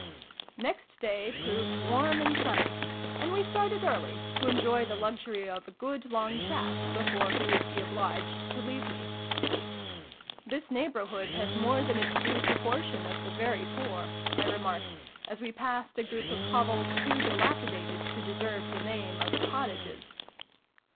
NEXT day proved warm and sunny, and we started early, to enjoy the luxury of a good long chat before he would be obliged to leave me. " This neighbourhood has more than its due proportion of the very poor," I remarked, as we passed a group of hovels, too dilapidated to deserve the name of "cottages."